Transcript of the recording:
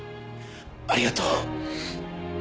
ありがとう！